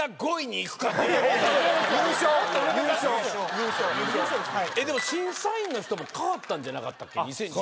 もっと上ですからでも審査員の人もかわったんじゃなかったっけ？